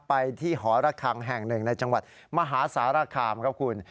ไปที่หอระคังแห่งหนึ่งในจังหวัดมหาสารคามครับคุณ